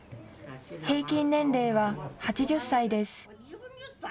平均年齢は８０歳です。